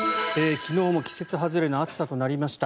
昨日も季節外れの暑さとなりました。